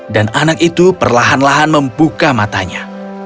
dan anak itu perlahan lahan membuka matanya